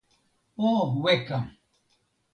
o weka!